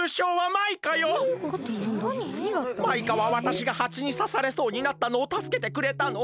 マイカはわたしがハチにさされそうになったのをたすけてくれたの。